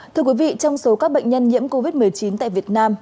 thưa quý vị trong số các bệnh nhân nhiễm covid một mươi chín tại việt nam